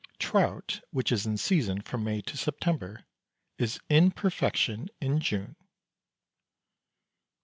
Trout, which is in season from May to September, is in perfection in June.